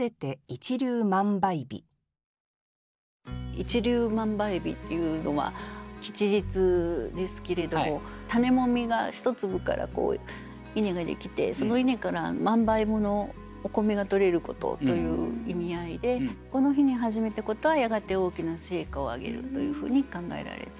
一粒万倍日っていうのは吉日ですけれども種もみが一粒から稲ができてその稲から万倍ものお米がとれることという意味合いでこの日に始めたことはやがて大きな成果を上げるというふうに考えられています。